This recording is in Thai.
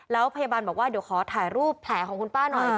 แล้วพยาบาลบอกว่าเดี๋ยวขอถ่ายรูปแผลของคุณป้าหน่อย